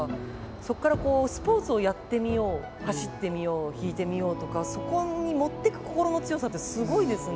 そこからこうスポーツをやってみよう走ってみよう引いてみようとかそこに持ってく心の強さってすごいですね。